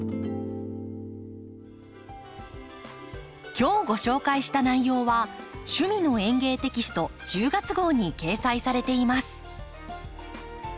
今日ご紹介した内容は「趣味の園芸」テキスト１０月号に掲載されています。